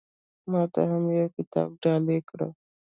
ما ته هم يو کتاب ډالۍ کړه